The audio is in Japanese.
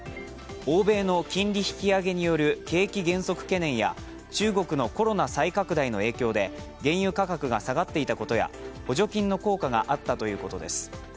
欧米の金利引き上げによる景気減速懸念や中国のコロナ再拡大の影響で原油価格が下がっていたことや補助金の効果があったということです。